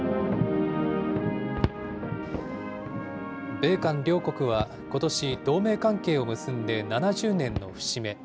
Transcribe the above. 米韓両国はことし、同盟関係を結んで７０年の節目。